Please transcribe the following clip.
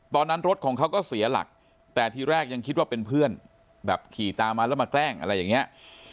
ตอนนั้นรถของเขาก็เสียหลักแต่ทีแรกยังคิดว่าเป็นเพื่อนแบบขี่ตามมาแล้วมาแกล้งอะไรอย่างนี้